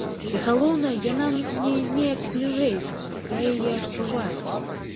І галоўнае, яна мне неяк бліжэй, я яе адчуваю.